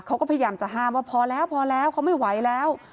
เขาก็พยายามจะห้ามว่าพอแล้วพอแล้วเขาไม่ไหวแล้ว